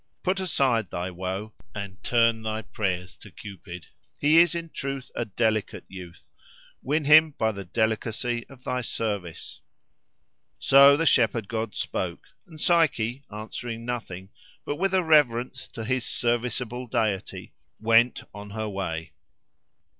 Put aside thy woe, and turn thy prayers to Cupid. He is in truth a delicate youth: win him by the delicacy of thy service." So the shepherd god spoke, and Psyche, answering nothing, but with a reverence to his serviceable deity, went on her way.